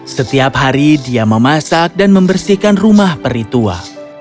setiap hari dia memasak dan membersihkan rumah pri tua